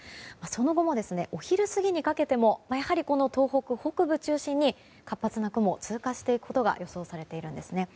その後もお昼過ぎにかけてもやはり東北北部中心に活発な雲が通過していくことが予想されているんですね。